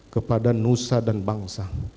kepada nusa dan bangsa